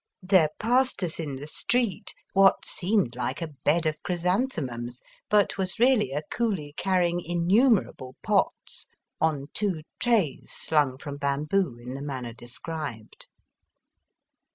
There passed us in the street what seemed like a bed of chrysanthemums, but was really a coolie carrying innumerable pots on two trays slung from bamboo in the manner described.